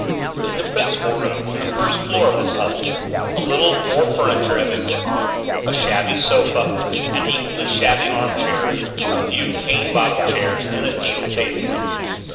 In the principal room, on the first floor of this hovel, a little poor furniture had been put; a shabby sofa, an equally shabby arm chair, a few cane bottomed chairs, and a deal table.